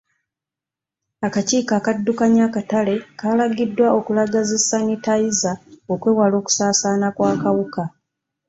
Akakiiko akaddukanya akatale kaalagiddwa okulaga zi sanitayiza okwewala okusaasaana kw'akawuka.